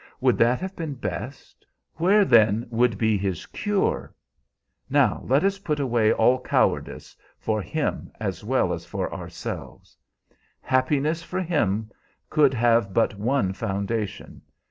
Would that have been best? Where then would be his cure? Now let us put away all cowardice, for him as well as for ourselves. Happiness for him could have but one foundation.